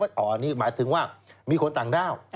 อ๋อนี่หมายถึงว่ามีคนต่างด้าว